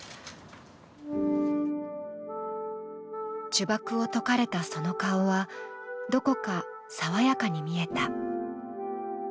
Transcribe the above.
呪縛を解かれたその顔はどこか爽やかに見えた。